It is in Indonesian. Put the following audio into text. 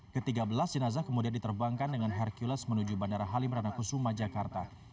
ke tiga belas jenazah kemudian diterbangkan dengan hercules menuju bandara halim ranakusuma jakarta